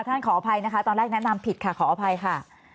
ขออภัยนะคะตอนแรกแนะนำผิดค่ะขออภัยค่ะ